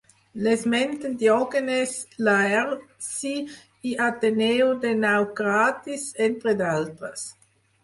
L'esmenten Diògenes Laerci i Ateneu de Naucratis entre d'altres.